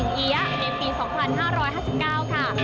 การไหว้เทพเจ้าแห่งโชคลาภฉายสิงเหี้ยในปี๒๕๕๙ค่ะ